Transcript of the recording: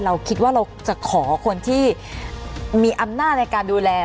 เราคิดว่าเราจะขอคนที่มีอำนาจในการดูแล